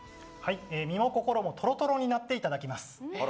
身も心もトロトロになっていただきます。